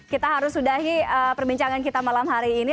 kita harus sudahi perbincangan kita malam hari ini